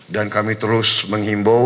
dan kami terus menghimbau